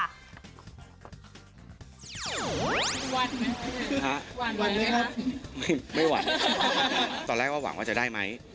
หวานไหมครับหวานไหมครับไม่ไม่หวานตอนแรกว่าหวังว่าจะได้ไหม